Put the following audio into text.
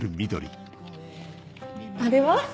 あれは？